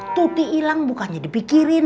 tuti ilang bukannya dipikirin